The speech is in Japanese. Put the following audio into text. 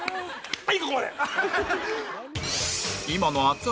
はい。